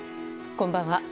こんばんは。